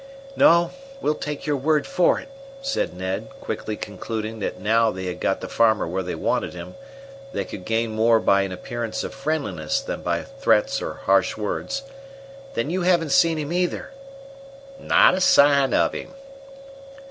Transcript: "No, we'll take your word for it," said Ned, quickly concluding that now they had got the farmer where they wanted him, they could gain more by an appearance of friendliness than by threats or harsh words. "Then you haven't seen him, either?" "Not a sign of him."